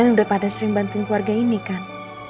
yang udah pada sering bantuin keluarga ini kan